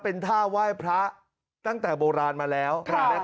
เป็นท่าไหว้พระตั้งแต่โบราณมาแล้ว